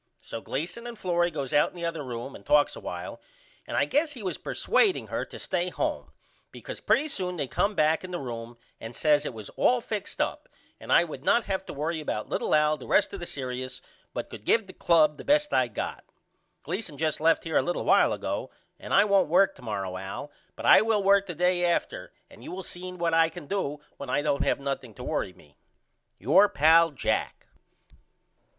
So Gleason and Florrie goes out in the other room and talks a while and I guess he was persuadeing her to stay home because pretty soon they come back in the room and says it was all fixed up and I would not have to worry about little Al the rest of the serious but could give the club the best I got. Gleason just left here a little while ago and I won't work to morrow Al but I will work the day after and you will see what I can do when I don't have nothing to worry me. Your pal, JACK.